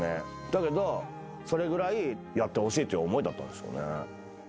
だけどそれぐらいやってほしいっていう思いだったんでしょうね。